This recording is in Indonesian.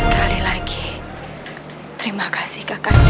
sekali lagi terima kasih kakak